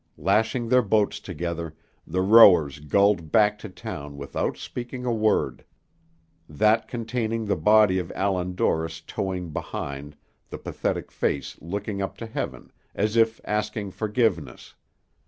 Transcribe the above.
Lashing their boats together, the rowers gulled back to town without speaking a word; that containing the body of Allan Dorris towing behind, the pathetic face looking up to heaven, as if asking forgiveness.